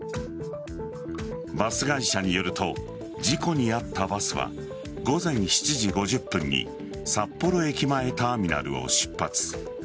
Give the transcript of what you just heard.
バス会社によると事故に遭ったバスは午前７時５０分に札幌駅前ターミナルを出発。